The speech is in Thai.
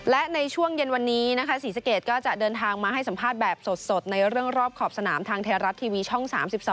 และในช่วงเย็นวันนี้นะคะศรีสะเกดก็จะเดินทางมาให้สัมภาษณ์แบบสดในเรื่องรอบขอบสนามทางไทยรัฐทีวีช่อง๓๒